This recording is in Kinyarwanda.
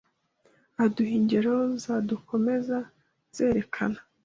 Aduha ingero zadukomeza zerekana